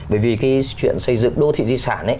bởi vì cái chuyện xây dựng đô thị di sản ấy